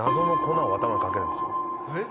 えっ？